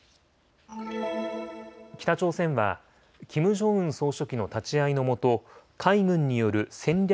北朝鮮はキム・ジョンウン総書記の立ち会いのもと海軍による戦略